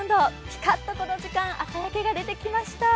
ピカッとこの時間、朝焼けが出てきました。